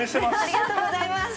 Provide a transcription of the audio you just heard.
ありがとうございます。